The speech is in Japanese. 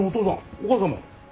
お母さんも。